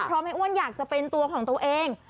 เพราะแม่อ้วนอยากจะเป็นตัวของตัวเอง